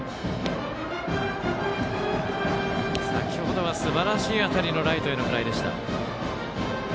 先程はすばらしい当たりのライトへのフライでした。